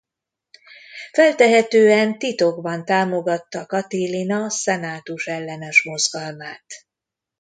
Feltehetően titokban támogatta Catilina senatus-ellenes mozgalmát.